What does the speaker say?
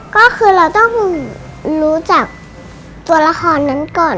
ก็คือเราต้องรู้จักตัวละครนั้นก่อน